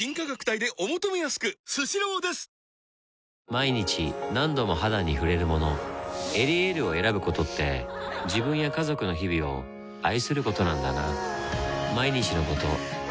毎日何度も肌に触れるもの「エリエール」を選ぶことって自分や家族の日々を愛することなんだなぁ